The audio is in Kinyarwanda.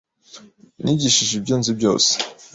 Nigishije ibyo nzi byose.